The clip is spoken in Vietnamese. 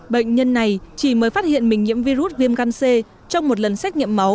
bệnh nhân này chỉ mới phát hiện mình nhiễm virus viêm gan c trong một lần xét nghiệm máu